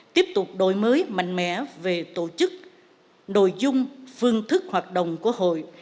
tiếp tục đổi mới mạnh mẽ về tổ chức nội dung phương thức hoạt động của hội